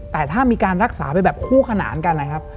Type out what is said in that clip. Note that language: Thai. แต่ถ้ามีการรักษาไปแบบคู่ขนานกันนะครับ